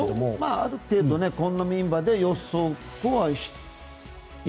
ある程度このメンバーで予測は。